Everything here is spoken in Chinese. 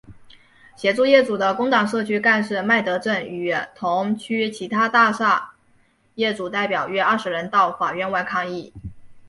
协助业主的工党社区干事麦德正与同区其他大厦业主代表约二十人到法院外抗议。